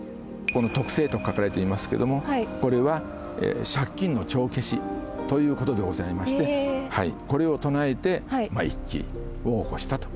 この「徳政」と書かれていますけどもこれは借金の帳消しということでございましてはいこれを唱えて一揆を起こしたと。